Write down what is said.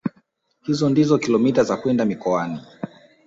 Hizo ndio kilomita za kwenda mikoani